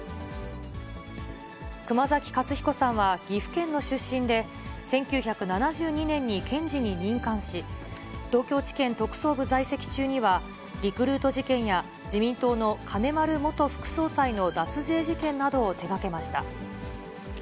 熊崎勝彦さんは、岐阜県の出身で、１９７２年に検事に任官し、東京地検特捜部在籍中には、リクルート事件や、自民党の金丸元副総裁の脱税事件などを手がけました。